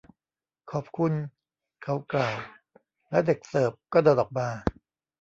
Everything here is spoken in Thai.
ขอบคุณ เขากล่าว แล้วเด็กเสิร์ฟก็เดินออกมา